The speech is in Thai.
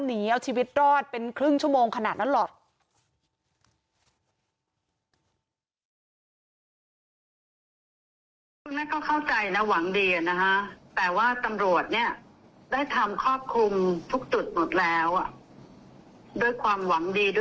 หนีเอาชีวิตรอดเป็นครึ่งชั่วโมงขนาดนั้นหรอก